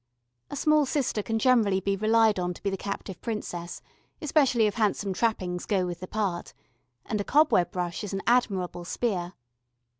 A small sister can generally be relied on to be the captive princess, especially if handsome trappings go with the part and a cobweb brush is an admirable spear.